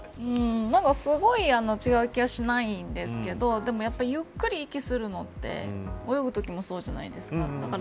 すごい違う気はしないですけどでも、ゆっくり息をするのって泳ぐときもそうじゃないですか。